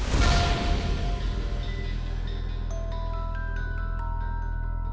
โปรดติดตามตอนต่อไป